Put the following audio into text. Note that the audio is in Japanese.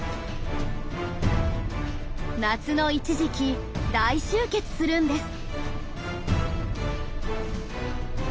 夏の一時期大集結するんです。